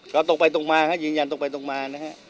ก็ตกไปตกมายินยันตกไปตกมานะครับ